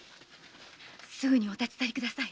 すぐにお立ち去りください